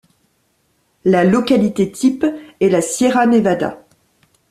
La localité-type est la Sierra Nevada.